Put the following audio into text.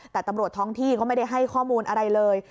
แต่ตำรวจท้องที่ก็ไม่ได้ให้ข้อมูลอะไรเลย